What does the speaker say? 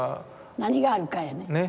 何があるかやね。